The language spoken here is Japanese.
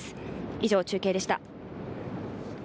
以上、中継でした。